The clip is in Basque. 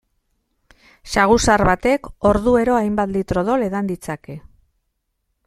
Saguzar batek orduero hainbat litro odol edan ditzake.